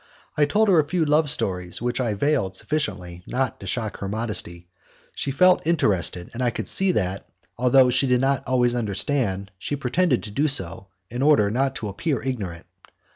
I told her a few love stories which I veiled sufficiently not to shock her modesty. She felt interested, and I could see that, although she did not always understand, she pretended to do so, in order not to appear ignorant.